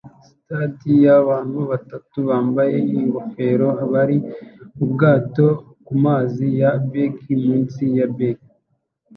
Sitades yabantu batatu bambaye ingofero bari mubwato kumazi ya beige munsi ya beige